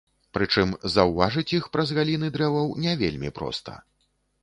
Прычым, заўважыць іх праз галіны дрэваў не вельмі проста.